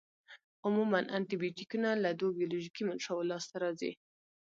عموماً انټي بیوټیکونه له دوو بیولوژیکي منشأوو لاس ته راځي.